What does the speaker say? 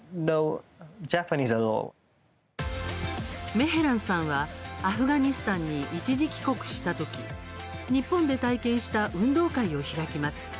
メヘランさんはアフガニスタンに一時帰国した時日本で体験した運動会を開きます。